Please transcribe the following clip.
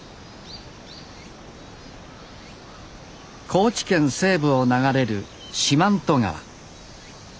高知県西部を流れる四万十川。